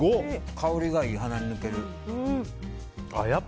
香りがいい、鼻に抜ける。